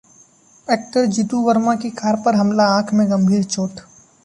actor Jeetu Verma की car पर हमला, आंख में गंभीर चोट